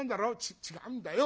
「ち違うんだよ。